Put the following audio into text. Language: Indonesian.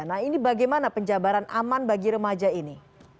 nah ini bagaimana penjabaran aman bagi remaja ini